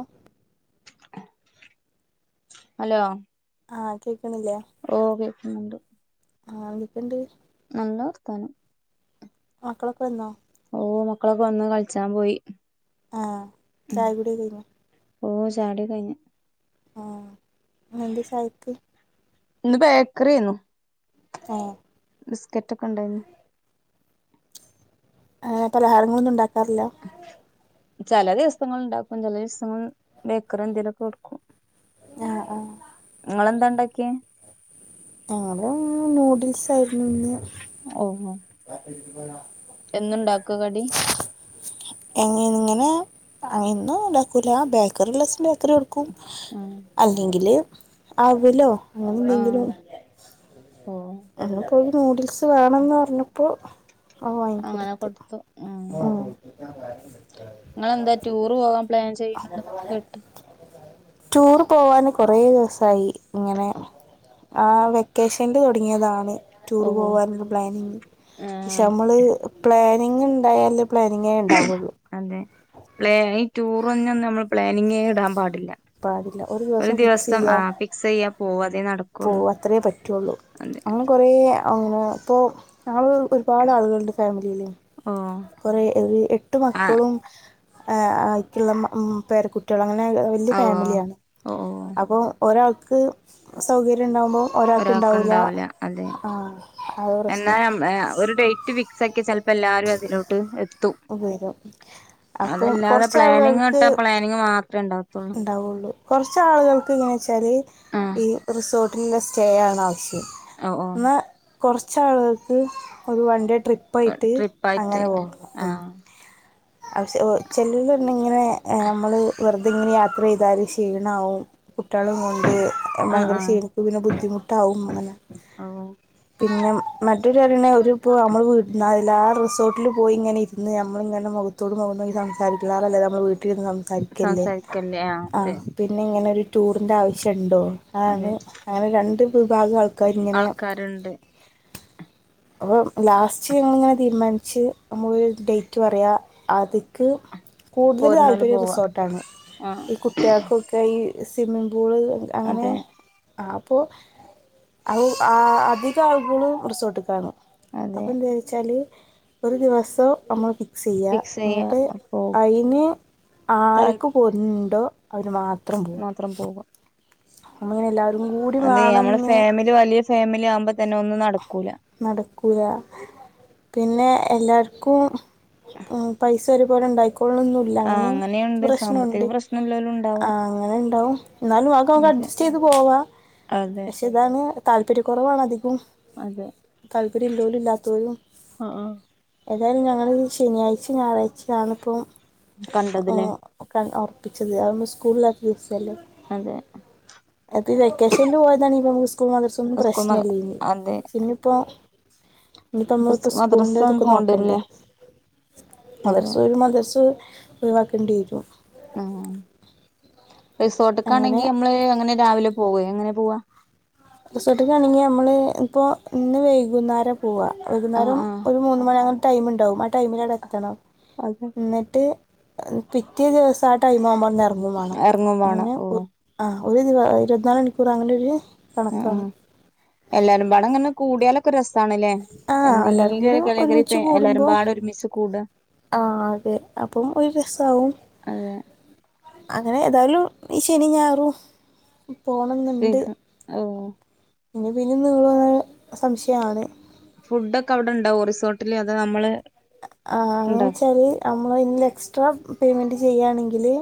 ഓഹ് hello ആഹ് കേക്ക്ണില്ലേ? ഓഹ് കേക്ക്ന്ന്ണ്ട്. ആഹ് വിളിക്കെണ്ട്. നല്ല വർത്താനം. മക്കളൊക്കെ വന്നോ? ഓഹ് മക്കളൊക്കെ വന്ന് കളിച്ചാൻ പോയി. ആഹ് ചായ കുടിയൊക്കെ കഴിഞ്ഞോ? ഓഹ് ചായകുടിയൊക്കെ കഴിഞ്ഞ്. ആഹ് ഇന്നെന്താ‌ ചായക്ക്? ഇന്ന് ബേക്കറിയെന്നു. ഏഹ് ബിസ്ക്കറ്റൊക്കെ ഇണ്ടായിന്നു. ആഹ് പലഹാരങ്ങളൊന്നും ഇണ്ടാക്കാറില്ലാ. ചെല ദിവസങ്ങളില് ഇണ്ടാക്കും ചെല ദിവസങ്ങളില് ബേക്കറി എന്തേലൊക്കെ എടുക്കും. ആഹ് ആഹ് ഇങ്ങളെന്താ ഇണ്ടാക്കിയെ? ഞങ്ങള് നൂഡിൽസായിരുന്നു ഇന്ന്. ഓഹോ [inaudible] എന്നുണ്ടാക്കോ കടി? എങ്ങ് ഇങ്ങനെ അ എന്നും ഉണ്ടാക്കൂല ബേക്കറിഇല്ലസം ബേക്കറി കൊടു ക്കും ഉം അല്ലെങ്കില് അവ്ലോ അങ്ങനെ എന്തെങ്കിലും. ആഹ് ഓ അങ്ങെനെ പോയി നൂഡിൽസ് വേണംന്ന് പറഞ്ഞപ്പോ ആ അങ്ങനെ വാങ്ങിക്കോടുത്ത് കൊടുത്തു ഉം ആഹ് ഇങ്ങളന്താ റ്റുറ് പോകാൻ പ്ലാൻ ചെയ്യ്ണ്ണ്ട്ന്നൊക്കെ കേട്ട്. [inaudible] റ്റുർ പോവാന് കുറേ ദിവസായി ഇങ്ങനെ ആ വെക്കേഷ്ൽ തൊ ട്ങ്ങിയാതാണ് റ്റുർ ഓ പോവാനുള്ള പ്ലാനിങ് പക്ഷെ ആഹ് നമ്മള് പ്ലാനിങ് ഉണ്ടായാല് പ്ലാനിങ്ങേ ഉണ്ടാവുള്ളൂ. അതെ പ്ല ഈ റ്റുർ ഒന്നും നമ്മൾ പ്ലാനിങ്ങേ ഇടാൻ പാടില്ല. പാടില്ല ഒരു ദിവസം ഫിക്സ്യ്യ. സെയ്യാ പോക അതെ നട പോവ അത്രയേ പറ്റുള്ളൂ, അങ്ങനെ കുറേ അങ്ങനെ ഇപ്പോ ഞങ്ങള് ഒരു പാട് ആളുകളുണ്ട് ഫാമിലിയില്. ആഹ് കുറേ ഒരു എട്ട് മക്കളും എഹ് ആയിക്ക്ള്ള മ്മ് പേരകു കുട്ടിയാളും അങ്ങനെ വല്യയ ഓ ഫാമിലിയാണ് ഓ അപ്പോ ഒരാൾക്ക് സൗകര്യം ഉണ്ടാകുമ്പോ ഒരാൾക്ക് ഇണ്ടാവൂല അതെ അത് എന്നാ പ്രശ്നം മ് ഒരു ഡേ റ്റ് ഫിക്സ് ആക്കി ചെലപ്പോ എല്ലാരും അതിലോട്ട് എ ത്തും വരും അപ്പം അതല്ലാതെ കുറച്ച് പ്ലാനിങ് ഇട്ട ആളുകൾക്ക് പ്ലാനിങ് മാത്രമേ ഉണ്ടാവത്തുള്ളൂ. ഉണ്ടാവുള്ളൂ കൊറച് ആളുകൾക്ക് എങ്ങനെച്ചാല് ആ ഈ റിസോ ട്ടിലെ സ്റ്റേ ആണ് ആവശ്യം, ഓ ഓ ഇന്നാ കൊറച്ചാളുകൾക്ക് ഒരു വൺ ഡേ ട്രി പ്പായിട്ട് ട്രിപ്പായിട്ട് അങ്ങനെ പോണം ഉം. ആഹ് ചെല്ല ഇങ്ങനെ നമ്മള് വെറുതെ ഇങ്ങനെ യാത്ര ചെയ്താല് ക്ഷീണമാവും കുട്ടികളും കൊണ്ട് ആ ഭയങ്കര ആ ക്ഷീണിക്കും പിന്നെ ബുദ്ധിമുട്ടാവും അങ്ങനെ ഓ പിന്നെ മറ്റൊരു കടണ ഒരു ഇപ്പോൾ നമ്മൾ വീട് ഇലാ ആ റിസോർട്ടിൽ പോയി ഇങ്ങന ഇന്ന് ഞമ്മളിങ്ങനെ മു മുഖതൊടുമുഖംന്നോക്കി സംസാരിക്കാറ നല്ലത് നമ്മൾ വീട്ടിൽരുന്ന് സംസാരിക്കല്ലേ സംസാരിക്കല്ലേ ആ അതെ ആഹ് പിന്നെ ഇങ്ങനെ ഒരു ടൂറിൻന്റെ ആവശ്യംണ്ടോ അതാണ് അതെ അങ്ങനെ രണ്ട് വിഭാഗആള് ആൾക്കാരുണ്ട് അപ്പം ലാസ്റ്റ് ഞങ്ങളിങ്ങനെ തീരുമാനിച്ച് നമ്മൾ ഡേറ്റ് പറയുക അതിക്ക് കൂടുതൽ പോരുന്നോല് താല്പര്യ പോവാ റിസോർട്ടാണ് ആ ഈ കുട്ടികൾക്കൊക്കെ ഈ സ്വിമ്മിംങ്ങ് പൂള് അങ്ങനെ അതെ ആ അപ്പൊ അ ആ അധിക ആളുകള്കളും റിസോർട്ടകാണ് അപ്പ അതെ എന്താ വിച്ചാല് ഒരു ദിവസം അമ്മൾ സെ ചെയ്യ, ഫിക്സ് ചെയ്യാ എന്നിട്ട് അപ്പോ അതിന് ആരക്കും താല്പര്യം പ്പോണ്ടോ അവന് മാത്രം പോകും മാത്രം പോകുക അങ്ങനെ എല്ലാവരും കൂടി വാണഞ്ഞ് ഒര് വലിയ ഫാമിലി ആക്പോ തന്നെ ഒന്നും നടക്കൂല നടക്കൂയ പിന്നെ എല്ലാവർക്കും പൈസ ഒരുപോലെ ഉണ്ടായിക്കോള്ളണംന്ന് ആ അങ്ങനെ അങ്ങനെയുണ്ട് സാമ്പത്തിക പ്രശ്നുണ്ട് പ്രശ്നം ഇല്ലോലും ഉണ്ടാവും അങ്ങനെ ഉണ്ടാവും എന്നാലും നിങ്ങൾക്കൊക്കെ അട് അതെ ജസ്റ്റ്യ്തു പോവ അതെ ഇതാണ് താല്പര്യ കുുറവാണ് അധികം അതെ താല്പര്യം ഉള്ളോലും ഇല്ലാത്തോരും ആ ആ ഏതായാലും ഞങ്ങള് ശനിയാഴ്ച ഞായറാഴ്ച കാണപ്പം കണ്ടതില്ലേ ക ഉറപ്പിച്ചത് അതൊന്ന് സ്കൂള് ഇല്ലാത്ത ദിവസല്ലെ അതെ അപ്പം ഈ വെക്കേഷനിൽ പോയതാണ്ണ ഇപ്പോൾ നമുക്ക് സ്കൂൾ മദർസൊന്നും സ്കൂൾ മ പ്രശ്നമല്ല അതെ പിന്നെ ഇപ്പോ ഇനി ഇപ്പ തമ്മളിപ്പോ മദ്രസ ഒന്ന് സ്കൂളിൻന്റെതൊക്കെ പോകേണ്ടി നോക്കണ്ടേ വരൂല്ലേ അതെ മദ്രസ പോയ് മദ്രസു ഒഴിവാക്കേണ്ടി വരും ഉ റിസോർട്ടൊക്കെ അങ്ങനെ ആണെങ്കി നമ്മള് അങ്ങനെ രാവിലെ പോവ എങ്ങനെ പോവാ റിസോർട്ടക്ക ആണെങ്കിൽ നമ്മള് ഇപ്പോൾ ഇന്ന് വൈകുന്നേരം പോവ ആ വൈകുന്നേരം ആ ഒരു മൂന്ന് മണിയാക ടൈം ഉണ്ടാവും ആ ടൈമില വിടെ ത്തണം അതെ എന്നിട്ട് പിറ്റേ ദിവസ ആ ടെയ്മാകുമ്പോ എറങ്ങു മാണം എറങ്ങുവാണം ഓഹ ആഹ ഒരു ദിവ ഇരുപത്തിനാല് മണിക്കൂർ ആവണത് ഉ എല്ലാരും പാട്ടെങ്ങനെ കൂടിയാല ഒക്കെരസണലെ ആ എല്ലാവരും കൂടി എന്നെങ്കിലുഒരിക്കൽ എല്ലാരും പാട ഒരു മിച്ച് കൂട ആഹ അതെ അപ്പം ഒരു രസാവും അതെ അങ്ങനെ ഏതായാലും ഈ ശനി ഞായറും പോണംന്നുണ്ട് ഓ പിന്നെ ഇനിം നീളൊന്ന് സംശയാണ് ഫുഡ് ഒക്കെ അവിടെണ്ടാവോ റിസോർട്ടില് അതോ നമ്മള് ആഹ അങ്ങനെ ഉണ്ടാ വെച്ചാല് നമ്മള് ഇന്ന് എക്സ്ട്രാ പേയ്മെന്റ് ചെയ്യാണെങ്കില്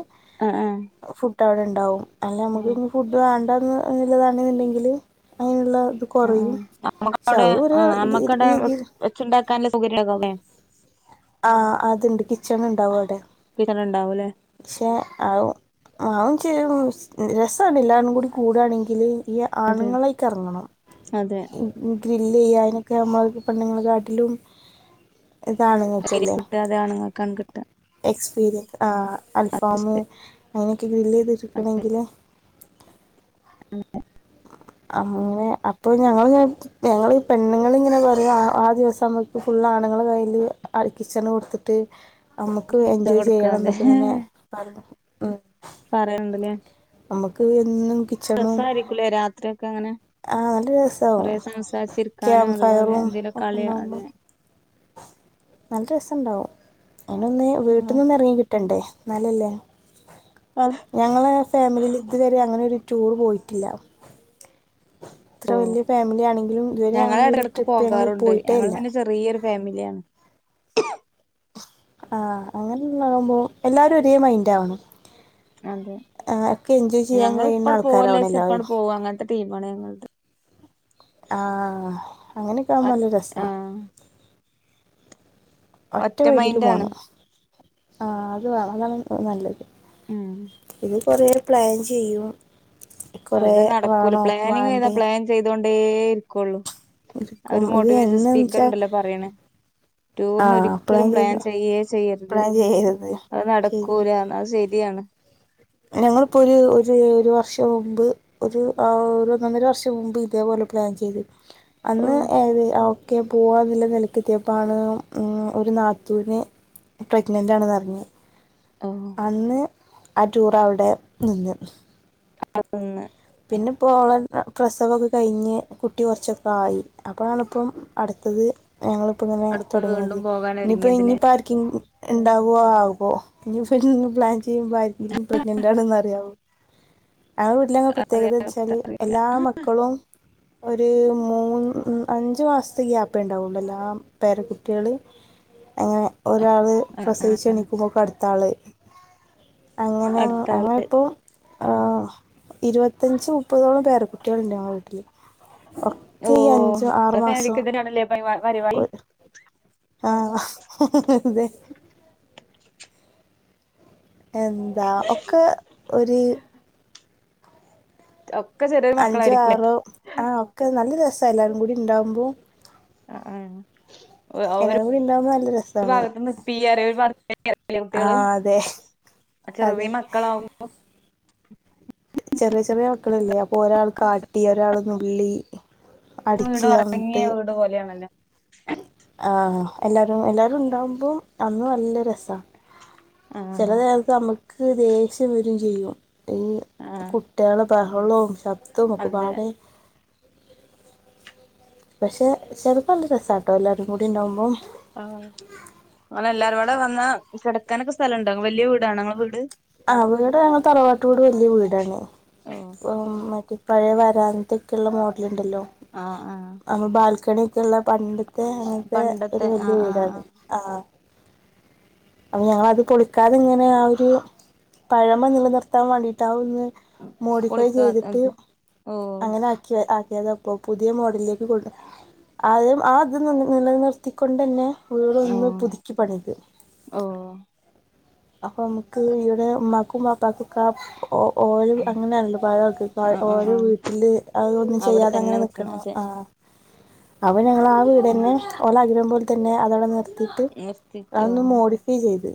ആ ആ ഫുഡ് അവിടെ ഉണ്ടാവും അല്ല ആ നമുക്ക് നി ഫുഡ് വേണ്ട എന്ന് അതിന്ന് വേണ്ടന്ന്ണ്ടെങ്കില് അതിനുള്ള ആഹ് കുറയും ആഹ് നമ്മക്ക് പക്ഷെ അവിടെ അതും ഒരു ആഹ് നമ്മക്കവിടെ രീതില് വെച്ചുണ്ടാക്കാനുള്ള സൗകര്യണ്ടവുല്ലേ ആ അത്ണ്ട് കിച്ചൺ ഉണ്ടാവും അവിടെ കിച്ചണ് ഉണ്ടാവൂലേ പക്ഷെ അവും അവും ശരിയാണ് രസാണ് എല്ലാവരും കൂടി കൂടയാണെങ്കില് ഈ അതെ ആണുങ്ങളയിക്ക്റങ്ങണം അതെ ഗ്രില് ചെയ്യാനൊക്കെ നമ്മളെ പെണ്ണുങ്ങളെക്കാട്ടിലും ഇത് സീരീസ് ആണുങ്ങക്കല്ലേ കിട്ടാതെ ആണുങ്ങൾക്കാണ് കിട്ടുക എക്സ്പീരിയൻസ് ആഹ അത് അൽഫാമും ശരി അങ്ങനെയൊക്കെ ഗ്രില്ല് യ്തിരിക്കണെങ്കില് അതെ അങ്ങനെ അപ്പൊ ഞങ്ങള് ഇങ്ങനെ ഞങ്ങള് പെണ്ണുങ്ങളിങ്ങനെ പറയും ആ ദിവസം നമ്മക്ക് ഫുള്ള് ആണുങ്ങളെ കയ്യില് കിച്ചണ് കൊടുത്തിട്ട് നമുക്ക് പിച്ച എൻജോയ് ചെയ്യണം കൊടുക്കാതെ എന്നൊക്കെ ഇങ്ങനെ പറ യും പറയുണ്ടല്ലേ നമ്മുക്ക് എന്നും കി രസായിരിക്കൂല്ലേ രാത്രി ഒക്കെ അങ്ങനെ നല്ല രസമാവും കൊറേ സംസാരിച്ചിരിക്കാനും ക്യാമ്പ് അതുപോലെ ഫയറും എന്തെങ്കാലും ഒക്കെ കളി ഉണ്ടാവുമ്പോൾ അതെ നല്ല രസണ്ടാവും അയിനൊന്ന് വീട്ട്ന്നൊന്ന് ഇറങ്ങി കിട്ടണ്ടേ ഇന്നാല്ലല്ലേ ആഹ് ഞങ്ങളെ ഫാമിലിയില് ഇതുവരെ അങ്ങനെ ഒരു ടൂറ് പോയിട്ടില്ല ഇത്ര വലിയ ഫാമിലി ആണെങ്കിലും ഇതുവരെ അങ്ങനെ ഒരു ട്രിപ്പ് ഞങ്ങള് പോയിട്ടേല്ല വലിയൊരു ഫാമിലിയാണ് ആ അങ്ങനൊന്നാവൂമ്പോ എല്ലാരും ഒരേ മൈൻഡാവണം അതെ ആ ഒക്കെ എൻജോയ് ചെയ്യാൻ ഞങ്ങള് കഴിയുന്ന ഇപ്പങ്ങട് ആൾക്കാരാവണം പോവല്ലേച്ച എല്ലാരും ഇപ്പങ്ങട് പോവും അങ്ങനത്തെ ടീമാണ് ഞങ്ങൾത് ആ അങ്ങനൊക്കെ ആവുമ്പോ നല്ല രസാ ആഹ് ഒറ്റ മൈൻഡില് പോണം ആഹ് അത് അതാണ് നല്ലത് ഉം ഇത് കൊറേ പ്ലാൻ ചെയ്യും കൊറേ വേണോ വേണ്ടേ ചെയ്തുകൊണ്ടേരിക്കുള്ളു ഇരിക്കും ഒരു ഇത് മോട്ടിവേഷൻ എന്നു സ്പീക്കർ വെച്ചാൽ ഉണ്ടല്ലോ പറയ്ണ് ആ ടൂറിന് ഒരിക്കലും പ്ലാൻ ചെയ്ത ചെയ്യേ ചെയ്യരുത് പ്ലാൻ ചെയ്യരുത് അത് ശരിയാണ് നടക്കൂലാ ന്ന് അത് ശരിയാണ് ഞങ്ങളിപ്പോ ഒര് ഒര് ഒരു വർഷം മുമ്പ് ഒരു ആ ഒര് ഒന്ന് ഒന്നര വർഷം മുമ്പ് ഇതേപോലെ പ്ലാൻ ചെയ്ത് ഓ അന്ന് ഏത് ഒക്കെ പോവാന്നുള്ള നിലക്കെത്തിയപ്പാണ് ഒരു നാത്തൂന് പ്രഗ്നന്റ് ആണെന്ന് അറിഞ്ഞേ ആഹ് അന്ന് ആ ടൂറ് അവിടെ നിന്ന് [unintelligible] പിന്നെപ്പോ ഓളെ പ്രസവൊക്കെ കഴിഞ്ഞ് കുട്ടി കുറച്ചൊക്കെ ആയി അപ്പോ ആണിപ്പം അടുത്തത് ഞങ്ങളിപ്പോ ഇങ്ങനെ അടുത്ത് തുടങ്ങുന്നത് വീണ്ടും പോകാൻ ഇനിയിപ്പോ ഇനി ഒരുങ്ങിയതില്ലേ പാർക്കെങ്കി ഇണ്ടാവോ ആവോ ഇനി പിന്നെ പ്ലാൻ ചെയ്യുമ്പോ ആർക്കെങ്കിലും പ്രെഗ്നന്റാണെന്ന് അറിയാവോ ആ വീട്ടിലെ പ്രത്യേകത വെച്ചാല് എല്ലാ മക്കളും ഒരു മൂന്ന് അഞ്ച് മാസത്തെ ഗ്യാപ്പ് ഉണ്ടാവുള്ളൂ എല്ലാൽ പേരകുട്ടികള് അങ്ങനെ ഒരാള് ആ, ആ. പ്രസവിച്ച് എണിക്കുമ്പോക്ക് അടുത്താള് അങ്ങനെ അടുത്ത ആള് അങ്ങനെ ഇപ്പോ ആ ഇരുപത്തഞ്ച് മുപ്പതോളം പേര കുട്ടികളുണ്ട് ഞങ്ങളെ വീട്ടില് ഓ ഒക്കെ ഈ അഞ്ച് ആറ് നിങ്ങളെ മാസം ഫാമിലിക്ക് [unintelligible] ആഹ് അതെ എന്താ ഒക്കെ ഒര് ഒക്കെ ചെറ്യെ അഞ്ചോ ആറോ ആഹ് ഒക്കെ ന്നല്ല രസ എല്ലാരും കൂടി ഇണ്ടാവ്മ്പോ അ ആഹ് ഒ ഓര് എല്ലാരും കൂടി ഉണ്ടാവുമ്പോ നല്ല രസാണ് ഭാഗത്ത്ന്ന് പ്പിഅറിം ഒര്ഭാഗ് [inaudible] കുട്ട്യള് ആഹ് അതെ അചെറ്യെ അതെ മക്കളാവും ചെറ്യ ചെറ്യ് മക്കളല്ലേ അപ്പോഒരാൾ കാട്ടി ഒരാള് ന്നുള്ളി വീട് ഒർങ്ങിയ വീട് പോലെയണല്ലോ ആഹ് എല്ലാരും എല്ലാരുണ്ടാവുമ്പോ അന്ന് ന്നല്ല രസ ആ ചെലന്നേരത് അമക്ക് ദേഷ്യം വെരും ചെയ്യും ഈ ആ കുട്ട്യാളെ ബെഹളോം ശബ് ദോം അതെ ഒക്കപാടെ പഷെ ചെലപ്പല്ല രസട്ടോ എല്ലാരും കൂടി ഇണ്ടാവ്മ്പോ ആഹ് ഇങ്ങള് എല്ലാരും കൂടെ വന്നാ കെടക്കാനൊക്കെ സ്ഥലം ഉണ്ടോ വലിയ വീടാണോ ഇങ്ങളെ വീട്? ആഹ് വീട് ഞങ്ങളെ തറവാട്ട് വീട് വല്ല്യ വീടാണ് ഓ ഉം മറ്റേ. പയെ വരാന്ത ഒക്കെള്ള മോഡല്ണ്ടല്ലോ. ആഹ് ആഹ്. അപ്പൊ ബാൽക്കണി ഒക്കെ ഉള്ള പണ്ടത്തെ അങ്ങൻത്തെ ഒര് പണ്ടത്തെ വല്ല്യ ആഹ് ആഹ് വീടാണ്. ആഹ് അപ്പൊ ഞങ്ങള് അത് പൊളിക്കാതെ ഇങ്ങനെ ആ ഒര്. പഴമ നില നിർത്താൻ വാണ്ടിട്ട് അത് ഒന്ന് മോഡിഫൈ പൊളിക്കാ ചെയ്തിട്ട് ഓ അങ്ങനെ ആ ക്ക്യേ ആക്കിയതാ ഇപ്പോ പുതിയ മോഡലിലേക്ക് കൊണ്ട് ആദ്യം ആത് നിന്ന് നില നിർത്തിക്കൊണ്ടന്നെ ഉള്ള് ഒന്ന് പുതുക്കി പണിത്. ഓഹ് അപ്പൊ നമ്മക്ക് ഇവടെ ഉമ്മാക്കും വാപ്പക്കൊക്കെ ഒ ഓ ഓല് അങ്ങനെ ആണല്ലോ പഴയ ആൾക്കാര് ആഹ് ആഹ് ഓലെ ആഹ് വീട്ടില് അത് ഒന്നും അവിടെ ചെയ്യാതെ തന്നെ അങ്ങനെ നിക്കണം. അതെ ആഹ് അപ്പൊ ഞങ്ങള് ആ വീട് തന്നെ ഓല ആഗ്രഹം പോലെ തന്നെ അത് അവ്ടെ നിർ ത്തിട്ട് അതൊന്ന് മോഡിഫൈ ചെയ്ത്.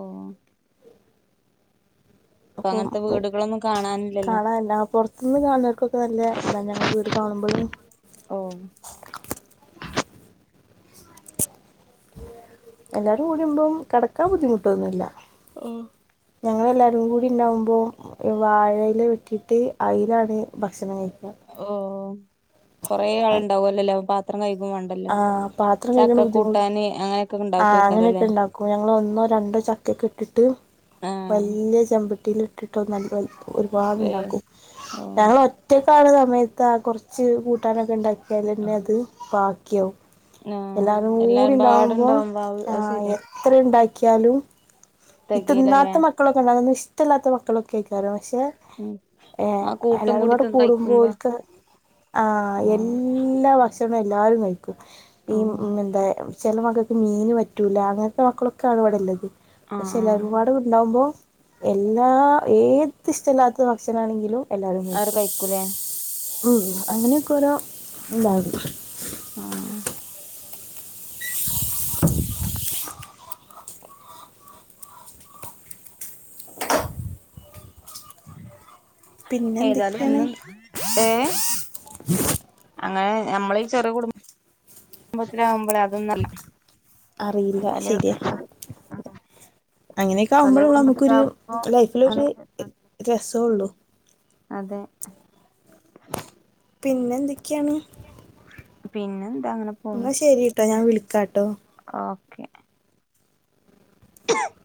ഓഹ്. ഇപ്പ അപ്പം അങ്ങനത്തെ വീടുകളൊന്നും കാണാനില്ലല്ലോ കാണാല്ല [unintelligible] ഇന്ന് കാണുന്നവർക്കൊക്കെ നല്ലെ ഇത് തന്നെ ഞങ്ങളെ വീട് കാണുമ്പള്. ഓഹ് എല്ലാവരും കൂടുമ്പം കടക്കാൻ ബുദ്ധിമുട്ടൊന്നുല്ല. ഓഹ്. ഞങ്ങള് എല്ലാവരും കൂടി ഇണ്ടാവ്മ്പം ഈ വാഴയില വെട്ടിയിട്ട് അയിലാണ് ഭക്ഷണം കഴിക്ക. ഓഹ് കൊറേ ആള് ഉണ്ടാവല്ലൊ ലെ അപ്പ ത്രം കഴുകും വേണ്ടല്ലോ ആ, പാത്രം കഴുകണ ചക്ക ബുദ്ധിമുട്ട് കൂട്ടാന് അങ്ങനെ ഒ ആഹ് അങ്ങനെ ഒക്കെ ഇണ്ടാക്കും ഞങ്ങള് ഒന്നോ രണ്ടോ ചക്ക ഒക്കെ ഇട്ടിട്ട്. ആഹ് വല്ല്യെ ചെമ്പട്ടീല് ഇട്ടിട്ട് [unintelligible] ഒര്പാട് വേ ഉണ്ടാക്കും ഓ ഞങ്ങളെ ഒറ്റക്കാണെ സമയത്ത് ആ കൊർച്ച് കൂട്ടാനൊക്കെ ഉണ്ടാക്കിയാൽ തന്നെ അത് ബാക്കിയാവും. ആഹ് എല്ലാവരും കൂടി ഉണ്ടാവുമ്പം എല്ലാരുംപാടുണ്ടാവുമ്പോ അത് ആഹ് ശരിയാ എത്ര ഉണ്ടാക്കിയാലും ഈ തികയിലല്ലേ തിന്നാത്ത മക്കളൊക്കെ ഉണ്ടാവും ഒന്നും ഇഷ്ടല്ലാത്ത മക്കളൊക്കെ അയ്ക്കാരം പക്ഷെ ഉം ഏഹ് ആ കൂട്ടും എല്ലാവരും കൂടി കൂടെ തിന്ന് കൂടുമ്പം കഴിക്കുമ്പോ ഓൽക്ക്. ആഹ് എല്ലാ ഭക്ഷണും എല്ലാരും കഴിക്കും ഈ ആഹ് മെന്താ ചെല മക്കൾക്ക് മീന് പറ്റൂല അങ്ങൻത്തെ മക്കളൊക്കാണ് ഇവടെ ഇല്ലത്. പക്ഷെ ആഹ് എല്ലാവരും പാടെ ഉണ്ടാവുമ്പോ എല്ലാ ഏത് ഇഷ്ടല്ലാത്ത ഭക്ഷണം ആണെങ്കിലും എല്ലാവരും അവര് കഴിക്കും കഴിക്കൂലേ ഉം അങ്ങനെ ഒക്കെ ഓരോ ഇണ്ടാകും. ആഹ് [inaudible] പിന്നെ ഏതാലും എന്തൊക്കെയാണ് എന്നും ഏഹ് അങ്ങനെ ഞമ്മളെ ഈ ചെറ് കുടും മ്പോത്തിന് ആകുമ്പള് അതൊന്നു അല്ല അറിയില്ല എന്നാല് അങ്ങനെ ഒക്കെ വലിയ ആകുമ്പള് ഉള്ളു നമ്മക്കൊരു കുടുംബത്തിലാവുമ്പോ ലൈഫില് ഒര് രസം ഉള്ളു. അതെ പിന്നെ എന്തൊക്കെയാണ് പിന്നെന്താ അങ്ങനെ എന്ന പോണു ശരി കേട്ടോ ഞാൻ വിളിക്കാട്ടോ ഓക്കെ [inaudible]